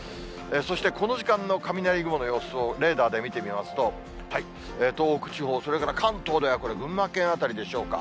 そしてこの時間の雷雲の様子をレーダーで見てみますと、東北地方、それから関東ではこれ、群馬県辺りでしょうか。